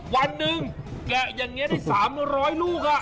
วันหนึ่งแกะอย่างนี้ได้๓๐๐ลูก